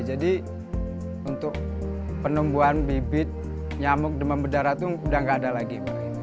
jadi untuk penumbuhan bibit nyamuk demam berdarah itu udah gak ada lagi